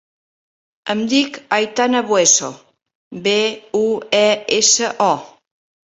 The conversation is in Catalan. Em dic Aitana Bueso: be, u, e, essa, o.